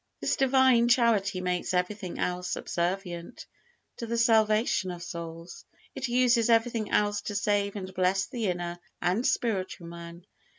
This Divine Charity makes everything else subservient to the salvation of souls; it uses everything else to save and bless the inner and spiritual man.